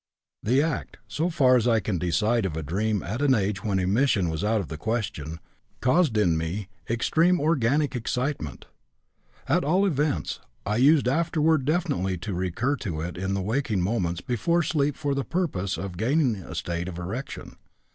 The act, so far as I can decide of a dream at an age when emission was out of the question, caused in me extreme organic excitement. At all events, I used afterward definitely to recur to it in the waking moments before sleep for the purpose of gaining a state of erection.